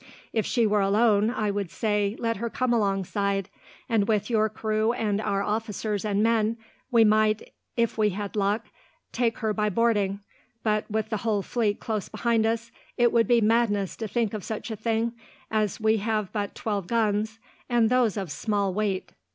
If she were alone I should say, let her come alongside, and with your crew and our officers and men we might, if we had luck, take her by boarding; but, with the whole fleet close behind us, it would be madness to think of such a thing, as we have but twelve guns, and those of small weight."